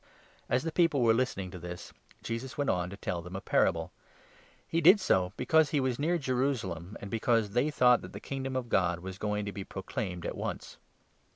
" As the people were listening to this, Jesus went n oVThe on to tell them a parable. He did so because he Pounds. was near Jerusalem, and because they thought that the Kingdom of God was going to be proclaimed at once.